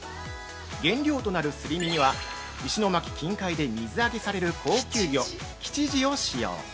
◆原料となるすり身には、石巻近海で水揚げされる高級魚キチジを使用。